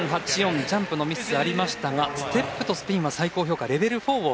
ジャンプのミスはありましたがステップとスピンは最高評価レベル４を取っています。